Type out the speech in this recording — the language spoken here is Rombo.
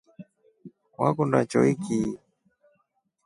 Wekunda choiki?